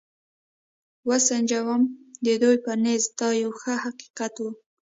و سنجوم، د دوی په نزد دا یو ښکاره حقیقت و.